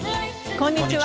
こんにちは。